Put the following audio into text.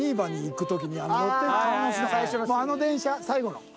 あの電車最後の。